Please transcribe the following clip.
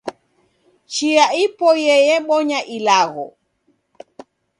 Chia ipoiye yebonya ilagho